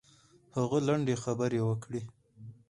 هغه لنډې خبرې وکړې.